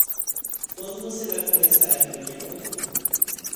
Quando você vai começar a reunião?